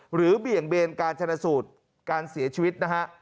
เบี่ยงเบนการชนะสูตรการเสียชีวิตนะฮะ